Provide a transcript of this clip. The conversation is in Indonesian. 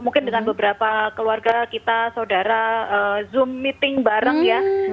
mungkin dengan beberapa keluarga kita saudara zoom meeting bareng ya